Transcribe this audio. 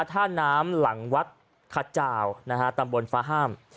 ท่านน้ำหลังวัดขาดจาวตำบลฟ้าห้าม